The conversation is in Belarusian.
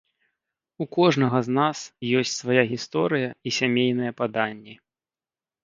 У кожнага з нас ёсць свая гісторыя і сямейныя паданні.